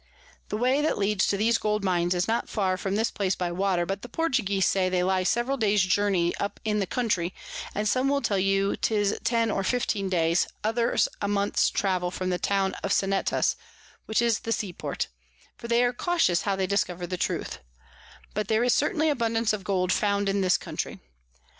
The Way that leads to these Gold Mines is not far from this Place by Water, but the Portuguese say they lie several days Journy up in the Country; and some will tell you 'tis ten or fifteen days, others a month's Travel from the Town of Sanetas, which is the Sea Port; for they are cautious how they discover the Truth: but there is certainly abundance of Gold found in this Country.